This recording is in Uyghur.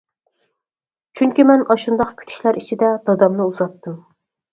چۈنكى مەن ئاشۇنداق كۈتۈشلەر ئىچىدە دادامنى ئۇزاتتىم.